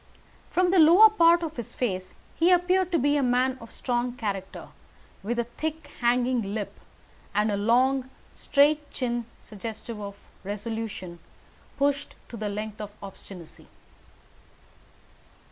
From the lower part of the face he appeared to be a man of strong character, with a thick, hanging lip, and a long, straight chin, suggestive of resolution pushed to the length of obstinacy.